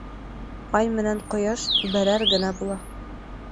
Ай менән ҡояш берәр генә була.